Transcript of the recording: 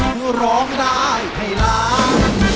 มึงร้องได้ให้ร้าง